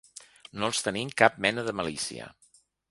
No els tenim cap mena de malícia.